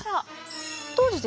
当時ですね